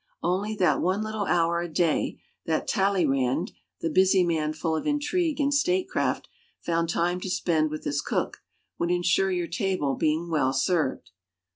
Only that one little hour a day that Talleyrand, the busy man full of intrigue and statecraft, found time to spend with his cook, would insure your table being well served.